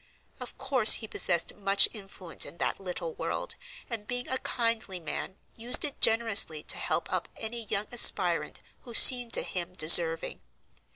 Of course he possessed much influence in that little world, and being a kindly man used it generously to help up any young aspirant who seemed to him deserving.